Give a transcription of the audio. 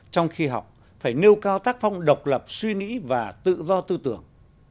trong khi học phải nêu cao tác phong độc lập suy nghĩ và tự do tư tưởng